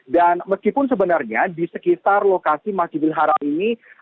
dan meskipun sebenarnya di sekitar lokasi masjidil haram ini